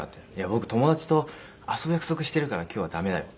「僕友達と遊ぶ約束してるから今日はダメだよ」